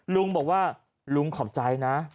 ลุงบอกว่าลุงขอบใจนะ